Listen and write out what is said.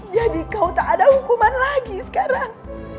jadi kau tak ada hukuman lagi sekarang